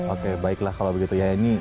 oke baiklah kalau begitu